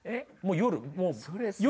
もう夜。